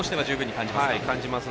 感じますね。